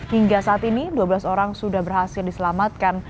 hingga saat ini dua belas orang sudah berhasil diselamatkan